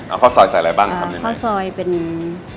เอาข้อซอยใส่อะไรบ้างทำอย่างไร